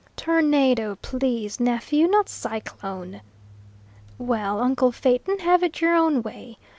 "Tornado, please, nephew; not cyclone." "Well, uncle Phaeton, have it your own way.